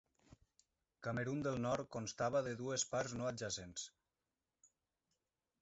Camerun del Nord constava de dues parts no adjacents.